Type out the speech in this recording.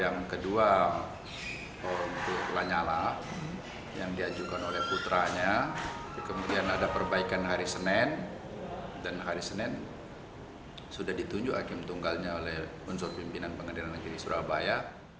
yang kedua untuk lanyala yang diajukan oleh putranya kemudian ada perbaikan hari senin dan hari senin sudah ditunjuk hakim tunggalnya oleh unsur pimpinan pengadilan negeri surabaya